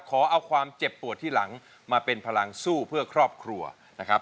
ขอเอาความเจ็บปวดที่หลังมาเป็นพลังสู้เพื่อครอบครัวนะครับ